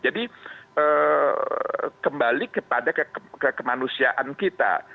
jadi kembali ke jati diri kemanusiaan kita